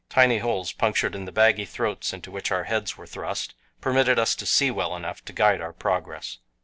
Tiny holes punctured in the baggy throats into which our heads were thrust permitted us to see well enough to guide our progress.